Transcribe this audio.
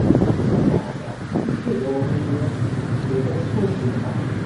Lameɛna, nekk ad wen-iniɣ: ur ttgallat s wacemma.